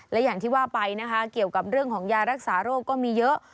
และอย่างที่ว่าไปนะคะเกี่ยวกับเรื่องของยารักษาโรคก็มีเยอะ